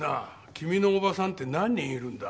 君の叔母さんって何人いるんだ？